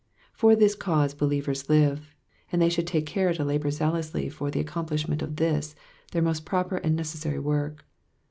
For this cause believers live, and they should take care to labour zealously for the accomplishment, of this their most proper and necessary work.